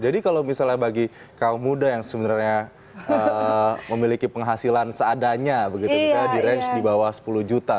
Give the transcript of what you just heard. jadi kalau misalnya bagi kaum muda yang sebenarnya memiliki penghasilan seadanya begitu misalnya di range di bawah sepuluh juta